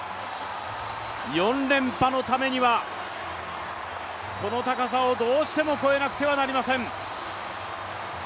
４連覇のためにはこの高さをどうしても超えなくてはなりません。